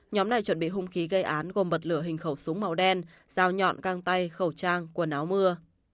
nhóm này chuẩn bị hung khí gây án gồm bật lửa hình khẩu súng màu đen dao nhọn găng tay khẩu trang quần áo mưa